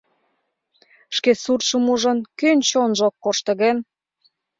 Шке суртшым ужын, кӧн чонжо ок коршто гын?